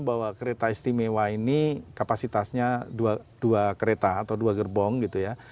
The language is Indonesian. bahwa kereta istimewa ini kapasitasnya dua kereta atau dua gerbong gitu ya